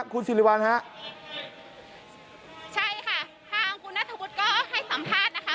คุณสิริวัลฮะใช่ค่ะทางคุณนัทธวุฒิก็ให้สัมภาษณ์นะคะ